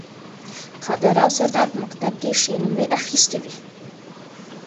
قادر او سردار په مکتب کې ښې نمرې اخیستې وې